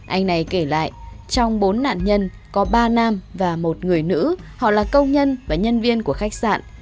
anh này kể lại trong bốn nạn nhân có ba nam và một người nữ họ là công nhân và nhân viên của khách sạn